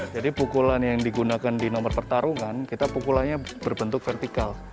jadi pukulan yang digunakan di nomor pertarungan kita pukulannya berbentuk vertikal